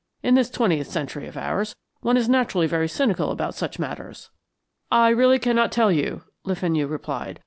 In this twentieth century of ours, one is naturally very cynical about such matters." "I really cannot tell you," Le Fenu replied.